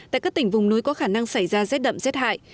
tại các tỉnh vùng núi có khả năng xảy ra rét đậm rét hại